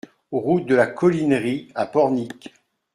Route de la Colinerie à Pornic